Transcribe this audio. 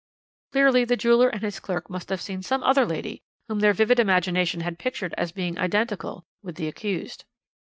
Clearly the jeweller and his clerk must have seen some other lady, whom their vivid imagination had pictured as being identical with the accused.